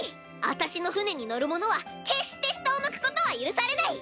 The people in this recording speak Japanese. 私の船に乗る者は決して下を向くことは許されない。